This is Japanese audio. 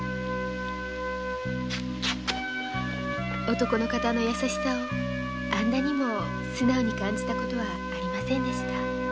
男の方の優しさをあんなにも素直に感じた事はありませんでした。